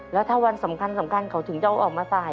แล้วถ้าวันสำคัญเขาถึงจะเอาออกมาสาย